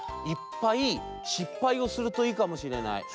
いっぱいしっぱいをするといいかもしれない。